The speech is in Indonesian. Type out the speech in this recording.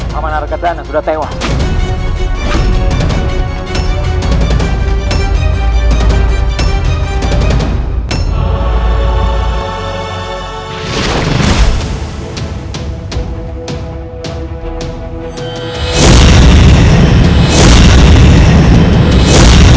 kamanarga dana sudah tewas